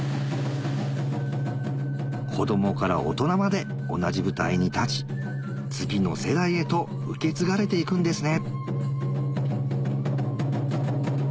子供から大人まで同じ舞台に立ち次の世代へと受け継がれて行くんですね